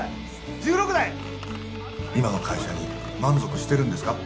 １６台・今の会社に満足してるんですか？